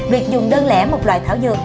việc dùng đơn lẽ một loại thảo dược